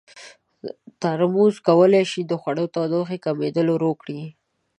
ترموز کولی شي د خوړو تودوخې کمېدل ورو کړي.